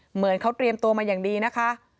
เหมือนเขาเตรียมตัวมาอย่างดีนะคะ